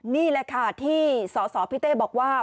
นี่แหละค่ะที่สสพี่เต้บอกว่า